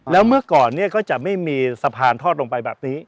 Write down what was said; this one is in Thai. แล้วเมื่อก่อนเนี่ยก็จะไม่มีสะพานทอดลงไปแบบนี้